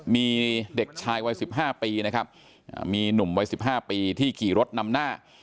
มีเด็กชายวัยสิบห้าปีนะครับมีหนุ่มวัยสิบห้าปีที่กี่รถนำหน้า